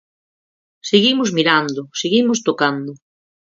Seguimos mirando, seguimos tocando.